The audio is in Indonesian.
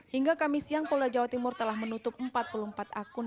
hingga kamis siang polda jawa timur telah menutup empat puluh empat akun